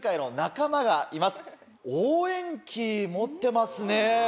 応援旗持ってますね。